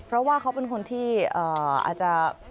เพราะว่าเขาเป็นคนที่อาจจะ